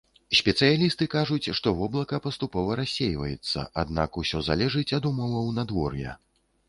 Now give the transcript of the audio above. Спецыялісты кажуць, што воблака паступова рассейваецца, аднак усё залежыць ад умоваў надвор'я.